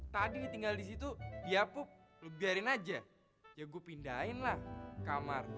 tadi tinggal disitu diapuk lo biarin aja ya gue pindahin lah kamar